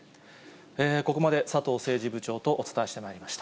ここまで、佐藤政治部長とお伝えしてまいりました。